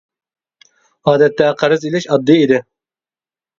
ئادەتتە قەرز ئېلىش ئاددىي ئىدى.